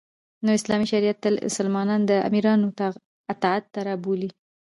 نو اسلامی شریعت تل مسلمانان د امیرانو اطاعت ته رابولی